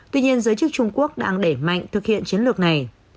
tuy nhiên giới chức trung quốc đang đẩy mạnh thực hiện chiến lược này